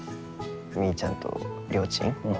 みーちゃんとりょーちん？